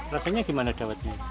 rasanya gimana dawetnya